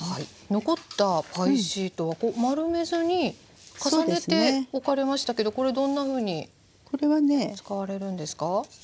残ったパイシートは丸めずに重ねて置かれましたけどこれどんなふうに使われるんですか？